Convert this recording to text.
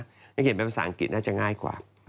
ถ้าเขียนเป็นภาษาอังกฤษน่าจะง่ายกว่า